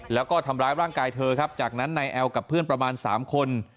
แล้วก็ทำร้ายร่างกายเธอครับจากนั้นนายแอลกับเพื่อนประมาณ๓คน